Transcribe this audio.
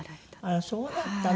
あらそうだったの。